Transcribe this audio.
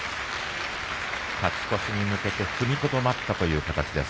勝ち越しに向けて踏みとどまったという形です。